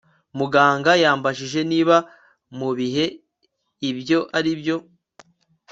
Muganga yambajije niba mu bihe ibyo aribyo